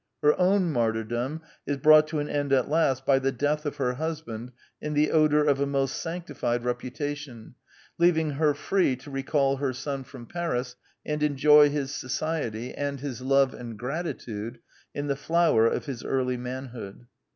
Her own martyrdom is brought to an end at last by the death of her husband in the odor of a most sanctified reputation, leaving her free to recall her son from Paris and enjoy his society, and his love and gratitude, in the flower of his early manhood.